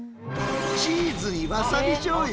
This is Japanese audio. チーズにわさびじょうゆ？